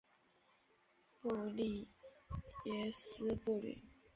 布利耶斯布吕。